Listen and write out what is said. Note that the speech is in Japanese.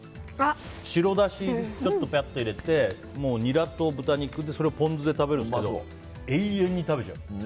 白だしをちょっと入れてニラと豚肉ででそれをポン酢で食べるんですが永遠に食べちゃう。